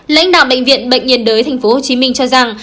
lãnh đạo bệnh viện bệnh nhiệt đới tp hcm cho rằng